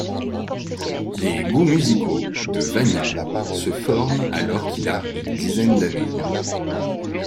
Les goûts musicaux de Vanian se forme alors qu'il a une dizaine d'années.